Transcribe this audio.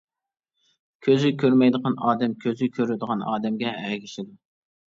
كۆزى كۆرمەيدىغان ئادەم كۆزى كۆرىدىغان ئادەمگە ئەگىشىدۇ.